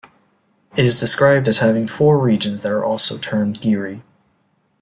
It is described as having four regions that are also termed "gyri".